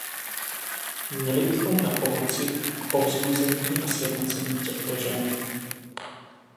Měli bychom napomoci k povzbuzení a sjednocení těchto žen.